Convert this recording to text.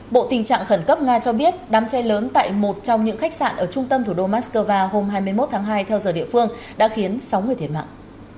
bộ tình trạng khẩn cấp nga cho biết đám cháy lớn tại một trong những khách sạn ở trung tâm thủ đô moscow hôm hai mươi một tháng hai theo giờ địa phương đã khiến sáu người thiệt mạng